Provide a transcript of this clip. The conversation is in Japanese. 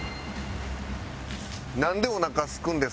「なんでおなかすくんですか？」